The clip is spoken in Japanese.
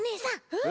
うん！